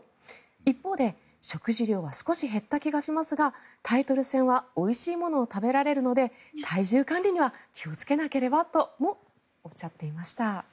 一方で、食事量は少し減った気がしますがタイトル戦はおいしいものを食べられるので体重管理には気をつけなければともおっしゃっていました。